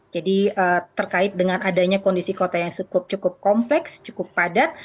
jadi terkait dengan adanya kondisi kota yang cukup cukup kompleks cukup padat